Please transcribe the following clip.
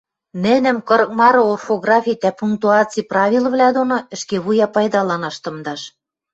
нӹнӹм кырык мары орфографи дӓ пунктуаци правилывлӓ доно ӹшке вуя пайдаланаш тымдаш